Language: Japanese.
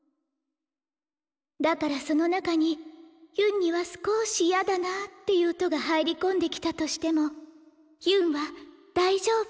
だからその中にヒュンにはすこし嫌だなっていう音が入り込んできたとしてもヒュンは大丈夫。